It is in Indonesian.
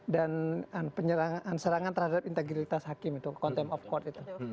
dan penyerangan terhadap integralitas hakim itu content of court itu